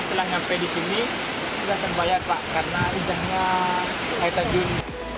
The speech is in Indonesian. setelah sampai di sini sudah terbayar pak karena rijahnya air terjun